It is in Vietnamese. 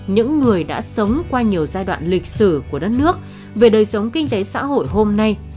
những người đã sống qua nhiều giai đoạn lịch sử của đất nước về đời sống kinh tế xã hội hôm nay